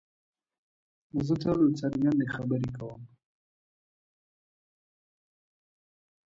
زه تل څرګندې خبرې کوم.